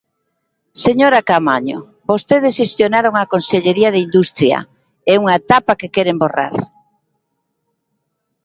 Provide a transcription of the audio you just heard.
Señora Caamaño, vostedes xestionaron a Consellería de Industria, é unha etapa que queren borrar.